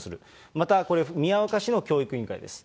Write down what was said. また、これ、宮若市の教育委員会です。